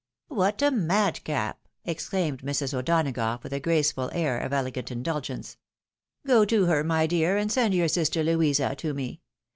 ." What a madcap!" exclaimed Mrs. O'Donagough, with a graceful air of elegant indulgence. "Go to her, my dear, and send your sister Louisa to me.